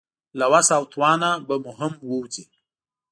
له وس او توان نه به مو هم ووځي.